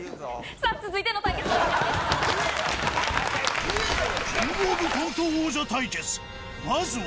さあ、続いての対決は。